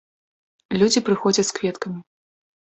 Людзі прыходзяць з кветкамі.